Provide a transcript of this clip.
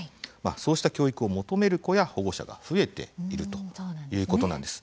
そうした教育を求める子や保護者が増えているということなんです。